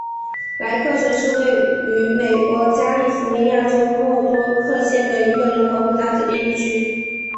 莱克城是位于美国加利福尼亚州莫多克县的一个人口普查指定地区。